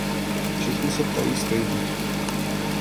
Všichni se ptají stejně.